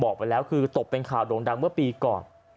บอกไว้แล้วคือตบเป็นข่าวโดงดังว่าปีก่อน